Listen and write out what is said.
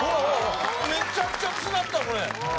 めちゃくちゃ薄なったこれ！